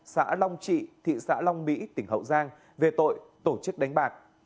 xã long trị thị xã long mỹ tỉnh hậu giang về tội tổ chức đánh bạc